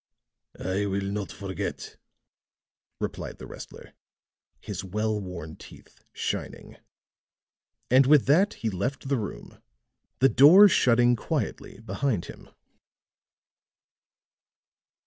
"I will not forget," replied the wrestler, his well worn teeth shining. And with that he left the room, the door shutting quietly behind him.